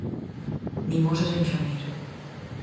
Mimosas en xaneiro.